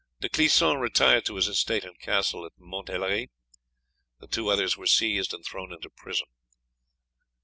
De Clisson retired to his estate and castle at Montelhery, the two others were seized and thrown into prison.